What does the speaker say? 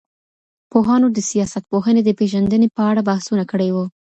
پوهانو د سياست پوهني د پېژندني په اړه بحثونه کړي وو.